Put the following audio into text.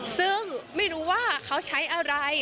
ซึ่งไม่รู้ว่าเขาใช้อะไร